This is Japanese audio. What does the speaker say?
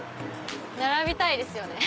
並びたいですよね。